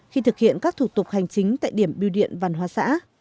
khi thực hiện các thủ tục hành chính tại điểm biêu điện văn hóa xã